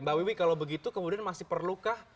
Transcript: mbak wiwi kalau begitu kemudian masih perlukah